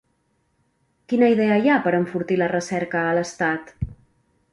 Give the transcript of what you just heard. Quina idea hi ha per enfortir la recerca a l'estat?